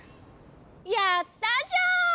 やったじゃん！